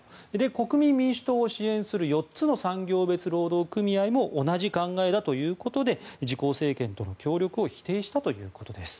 国民民主党を支援する４つの産業別労働組合も同じ考えだということで自公政権との協力を否定したということです。